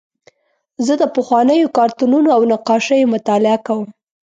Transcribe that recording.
زه د پخوانیو کارتونونو او نقاشیو مطالعه کوم.